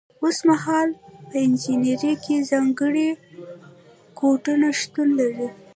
اوس مهال په انجنیری کې ځانګړي کوډونه شتون لري.